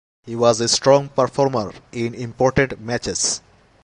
He was a strong performer in important matches.